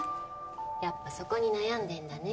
やっぱそこに悩んでんだね。